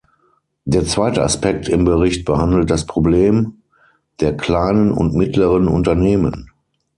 Der zweite Aspekt im Bericht behandelt das Problem der kleinen und mittleren Unternehmen.